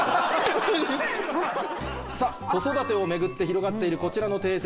さぁ子育てを巡って広がっているこちらの定説。